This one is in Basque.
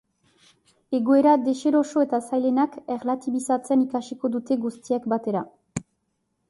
Egoera deseroso eta zailenak erlatibizatzen ikasiko dute guztiek batera.